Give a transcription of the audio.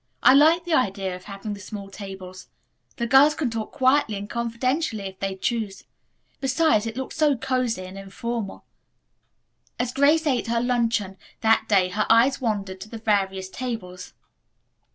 "I like the idea of having the small tables. The girls can talk quietly and confidentially, if they choose. Besides it looks so cosy and informal." As Grace ate her luncheon that day her eyes wandered to the various tables.